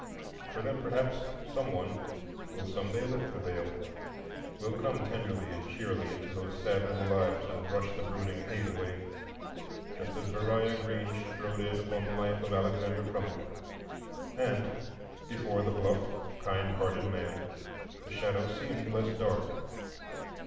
For them, perhaps, some one will some day lift the Veil,—will come tenderly and cheerily into those sad little lives and brush the brooding hate away, just as Beriah Green strode in upon the life of Alexander Crummell. And before the bluff, kind hearted man the shadow seemed less dark.